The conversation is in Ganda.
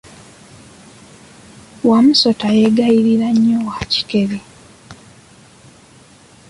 Wamusota yegayirira nnyo Wakikere.